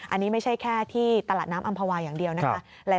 อันนี้ไม่ใช่แค่ที่ตลาดน้ำอำภาวาอย่างเดียวนะคะ